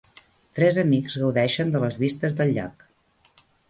Tres amics gaudeixen de les vistes del llac.